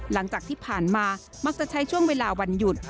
หลังจากที่ผ่านมามักจะใช้ช่วงเวลาวันหยุด